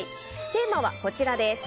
テーマはこちらです。